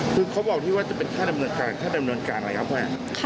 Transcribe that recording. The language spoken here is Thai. คือเขาบอกที่ว่าจะเป็นค่าดำเนินการค่าดำเนินการอะไรครับแม่